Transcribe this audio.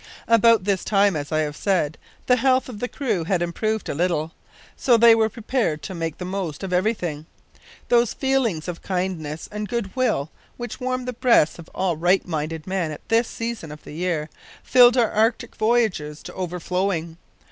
About this time, as I have said, the health of the crew had improved a little, so they were prepared to make the most of everything. Those feelings of kindliness and good will which warm the breasts of all right minded men at this season of the year, filled our Arctic voyagers to overflowing.